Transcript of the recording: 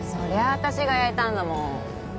私が焼いたんだもん